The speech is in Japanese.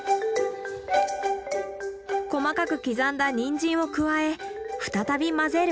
細かく刻んだニンジンを加え再び混ぜる。